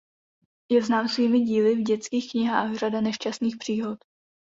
Je znám svými díly v dětských knihách "Řada nešťastných příhod".